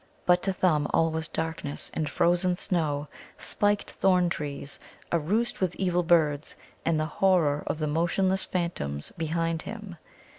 But to Thumb all was darkness, and frozen snow, spiked thorn trees, a roost with evil birds, and the horror of the motionless phantoms behind him.